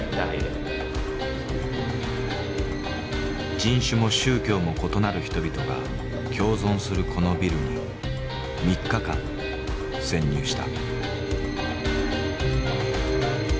人種も宗教も異なる人々が共存するこのビルに３日間潜入した。